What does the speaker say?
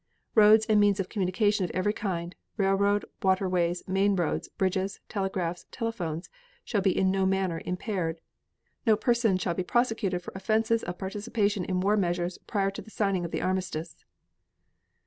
Roads and means of communication of every kind, railroad, waterways, main roads, bridges, telegraphs, telephones, shall be in no manner impaired. No person shall be prosecuted for offenses of participation in war measures prior to the signing of the armistice.